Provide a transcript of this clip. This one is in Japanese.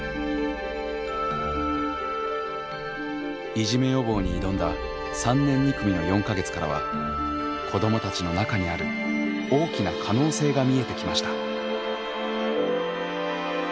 いじめ予防に挑んだ３年２組の４か月からは子どもたちの中にある大きな可能性が見えてきました。